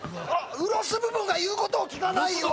ウロス部分が言うことを聞かないよ